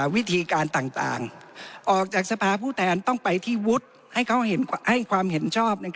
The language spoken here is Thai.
วิธีการต่างออกจากสภาผู้แทนต้องไปที่วุฒิให้ความเห็นชอบ